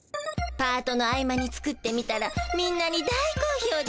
パートの合間に作ってみたらみんなに大こうひょうでね。